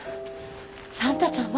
算太ちゃんは？